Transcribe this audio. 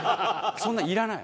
そんないらない！